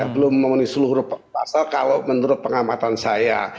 belum memenuhi seluruh pasal kalau menurut pengamatan saya